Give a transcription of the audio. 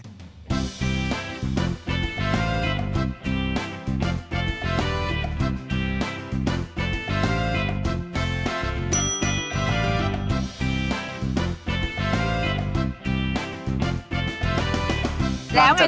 แล้วไงต่อคะ